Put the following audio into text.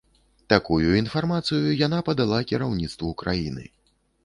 Такую інфармацыю яна падала кіраўніцтву краіны.